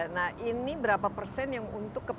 nah ini berapa persen yang untuk keperlu